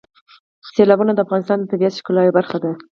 سیلابونه د افغانستان د طبیعت د ښکلا یوه برخه ده.